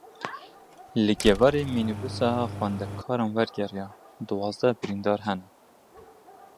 Li Geverê mînîbusa xwendekaran wergeriya, duwazdeh birîndar hene.